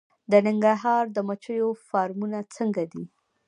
د ننګرهار د مچیو فارمونه څنګه دي؟